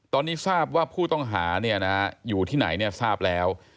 ตอนนี้ทราบว่าผู้ต้องหาอยู่ที่ไหนทราบแล้ว